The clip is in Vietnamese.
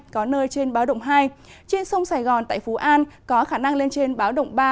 có nơi trên báo động hai trên sông sài gòn tại phú an có khả năng lên trên báo động ba